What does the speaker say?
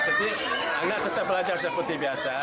jadi anak tetap belajar seperti biasa